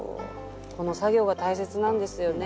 この作業が大切なんですよね。